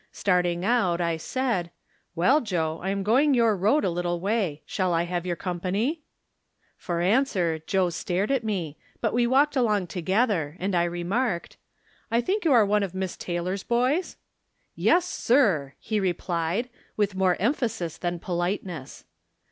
Starting out, I said :" Well, Joe, I am going your road a little way. Shall I have your company ?" For answer Joe stared at me ; but we walked along together, and I remarked :" I think you are one of Miss Taylor's boys ?" "Zes, sir!" he replied, with more emphasis than politeness.